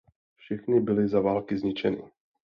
Všechny byly za války zničeny.